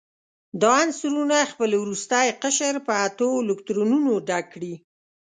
دا عنصرونه خپل وروستی قشر په اتو الکترونونو ډک کړي.